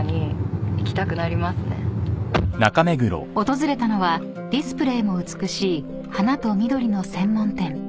［訪れたのはディスプレーも美しい花と緑の専門店］